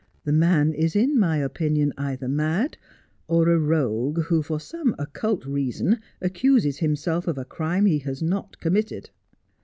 The man is in my opinion either mad, or a rogue who for some occult reason accuses himself of a crime he has not committed.'